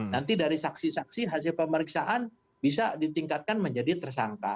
nanti dari saksi saksi hasil pemeriksaan bisa ditingkatkan menjadi tersangka